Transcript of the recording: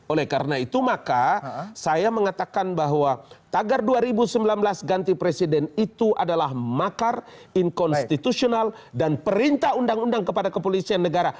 oleh karena itu maka saya mengatakan bahwa tagar dua ribu sembilan belas ganti presiden itu adalah makar inkonstitusional dan perintah undang undang kepada kepolisian negara